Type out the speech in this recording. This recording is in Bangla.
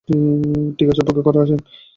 ঠিকাছে, অপেক্ষা করেন, আসেন।